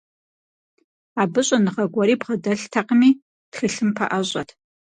Абы щӀэныгъэ гуэри бгъэдэлътэкъыми, тхылъым пэӀэщӀэт.